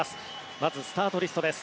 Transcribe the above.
まずスタートリストです。